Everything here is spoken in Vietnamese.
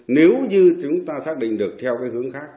nếu như chúng ta xác định được theo cái hướng khác